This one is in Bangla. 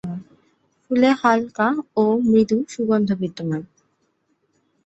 ফুলে হালকা ও মৃদু সুগন্ধ বিদ্যমান।